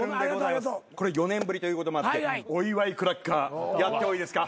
これ４年ぶりということもあってお祝いクラッカーやってもいいですか？